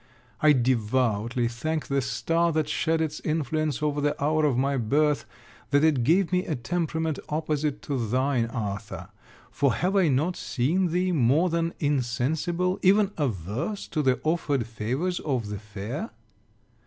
I devoutly thank the star that shed its influence over the hour of my birth, that it gave me a temperament opposite to thine, Arthur: for, have I not seen thee more than insensible, even averse to the offered favours of the fair?